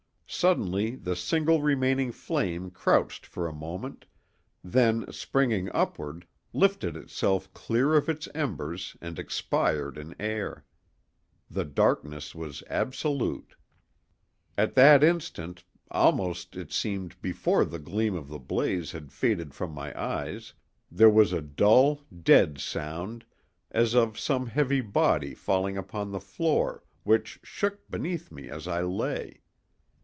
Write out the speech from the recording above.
Suddenly the single remaining flame crouched for a moment, then, springing upward, lifted itself clear of its embers and expired in air. The darkness was absolute. At that instant—almost, it seemed, before the gleam of the blaze had faded from my eyes—there was a dull, dead sound, as of some heavy body falling upon the floor, which shook beneath me as I lay.